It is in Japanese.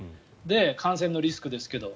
感染のリスクですけど。